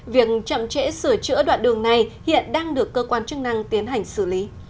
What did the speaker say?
việc chậm trễ sửa chữa đoạn đường này hiện đang được cơ quan chức năng tiến hành xử lý